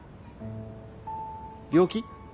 病気？